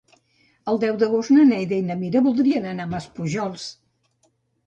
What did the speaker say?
El deu d'agost na Neida i na Mira voldrien anar a Maspujols.